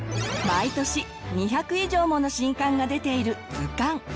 毎年２００以上もの新刊が出ている図鑑。